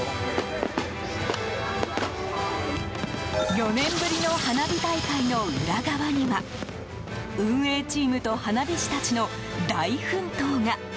４年ぶりの花火大会の裏側には運営チームと花火師たちの大奮闘が。